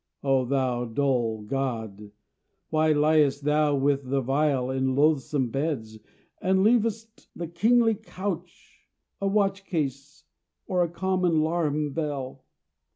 O thou dull god! why liest thou with the vile In loathsome beds, and leav'st the kingly couch A watch case or a common 'larum bell?